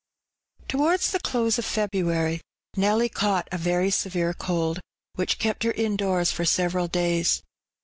T ■OWARDS the close of February Nelly caught a very severe cold, which kept her indoors for several daya.